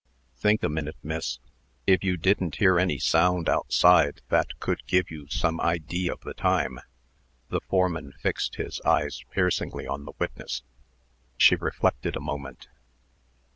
"Think a minute, miss, if you didn't hear any sound outside that could give you some idee of the time." The foreman fixed his eyes piercingly on the witness. She reflected a moment.